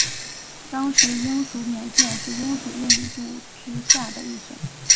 当时英属缅甸是英属印度之下的一省。